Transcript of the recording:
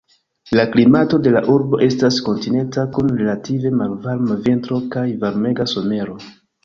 La klimato de la urbo estas kontinenta kun relative malvarma vintro kaj varmega somero.